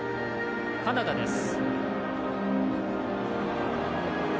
カナダです。